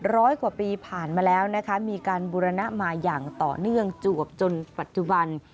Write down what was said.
ร้อยกว่าปีผ่านมาแล้วนะคะมีการบูรณะมาอย่างต่อเนื่องจวบจนปัจจุบัน